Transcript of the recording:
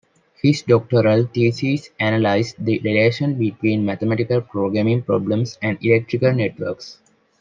His doctoral thesis analyzed the relation between mathematical programming problems and electrical networks.